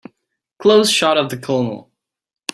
Close shot of the COLONEL.